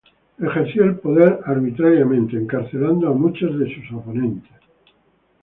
Ejerció el poder arbitrariamente encarcelando a muchos de sus oponentes.